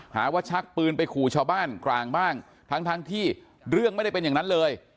หาว่าชักปืนไปขู่ชาวบ้านกลางบ้างทั้งทั้งที่เรื่องไม่ได้เป็นอย่างนั้นเลย